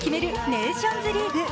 ネーションズリーグ。